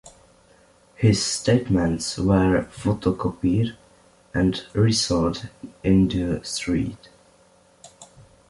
His statements were photocopied and resold in the street.